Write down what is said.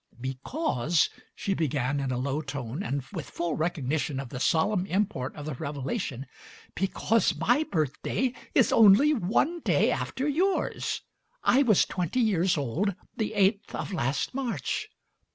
"Because," she began in a low tone and with full recognition of the solemn import of the revelation Digitized by Google 142 MARY SMITH — "Because my birthday is only one day after yours. I was twenty years old the eighth of last March."